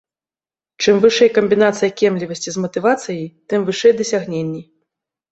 Чым вышэй камбінацыя кемлівасці з матывацыяй, тым вышэй дасягненні.